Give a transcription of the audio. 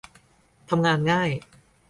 ทำงานง่าย